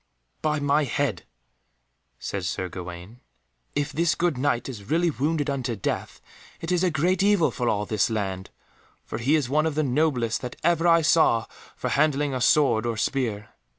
"By my head," said Sir Gawaine, "if this good Knight is really wounded unto death, it is a great evil for all this land, for he is one of the noblest that ever I saw for handling a sword or spear.